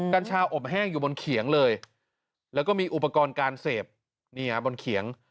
กัญชาอบแห้งอยู่บนเขียงเลยแล้วก็มีอุปกรณ์การเสพบนเขียง